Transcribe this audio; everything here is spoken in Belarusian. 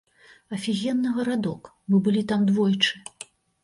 Афігенны гарадок, мы былі там двойчы.